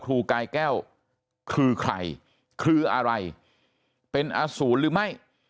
กายแก้วคือใครคืออะไรเป็นอสูรหรือไม่